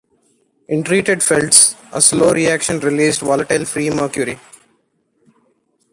In treated felts, a slow reaction released volatile free mercury.